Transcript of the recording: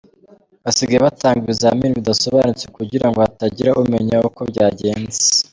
Basigaye batanga ibizamini bidasobanutse kugirango hatagira umenya uko byagenze.